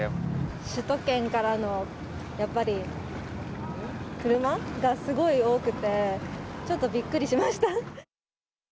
首都圏からのやっぱり車がすごい多くて、ちょっとびっくりしました。